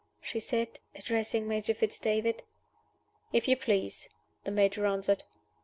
she said, addressing Major Fitz David. "If you please," the Major answered.